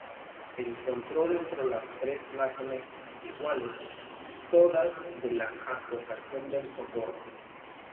Encontró dentro las tres imágenes iguales, todas de la advocación del Socorro.